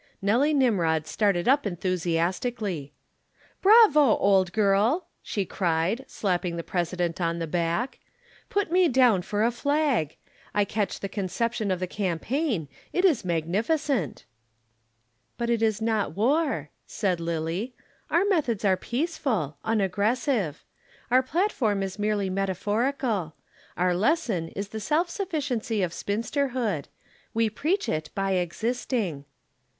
Nelly Nimrod started up enthusiastically. "Bravo, old girl!" she cried, slapping the President on the back. "Put me down for a flag. I catch the conception of the campaign. It is magnificent." "But it is not war," said Lillie. "Our methods are peaceful, unaggressive. Our platform is merely metaphorical. Our lesson is the self sufficiency of spinsterhood. We preach it by existing."